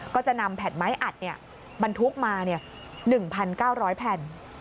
ก็จะนำแผ่นไม้อัดบรรทุกมา๑๙๐๐แผ่น